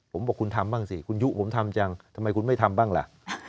ผมบอกคุณทำบ้างสิคุณยุผมทำจังทำไมคุณไม่ทำบ้างล่ะ